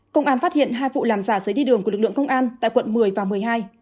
công an phát hiện hai vụ làm giả giấy đi đường của lực lượng công an tại quận một mươi và một mươi hai